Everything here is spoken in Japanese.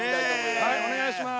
はいお願いしまーす。